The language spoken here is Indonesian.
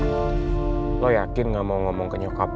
untung aja gue sempet denger obrolan bokap sama nyokap